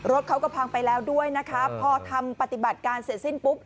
รถเขาก็พังไปแล้วด้วยนะคะพอทำปฏิบัติการเสร็จสิ้นปุ๊บ